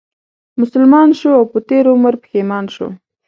مسلمان شو او په تېر عمر پښېمان شو